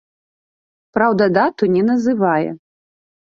Праўда, дату не называе.